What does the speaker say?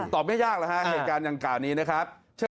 ตอบไม่ยากเลยฮะเหตุการณ์อย่างกล่านี้นะครับ